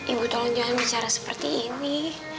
ibu tolong jangan bicara seperti ini